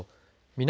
南